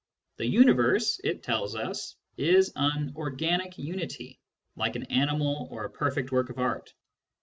The universe, it tells us, is an " organic unity," like an animal or a perfect work of art.